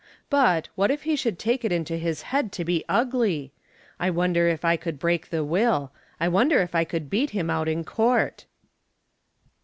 But, what if he should take it into his head to be ugly! I wonder if I could break the will I wonder if I could beat him out in court."